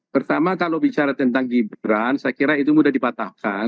pertama kalau bicara tentang gibran saya kira itu mudah dipatahkan